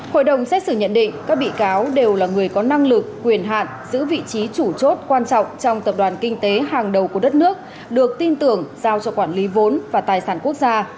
hội đồng xét xử nhận định các bị cáo đều là người có năng lực quyền hạn giữ vị trí chủ chốt quan trọng trong tập đoàn kinh tế hàng đầu của đất nước được tin tưởng giao cho quản lý vốn và tài sản quốc gia